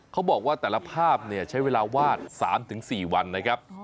เขาบอกว่าแต่ละภาพใช้เวลาวาด๓๔วันนะครับ